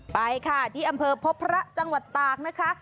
ไปค่ะที่อำเภอพบพระจังหวัดตากนะคะ